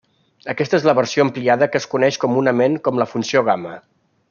Aquesta és la versió ampliada que es coneix comunament com la funció gamma.